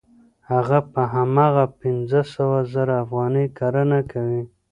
هغه په هماغه پنځه سوه زره افغانۍ کرنه کوي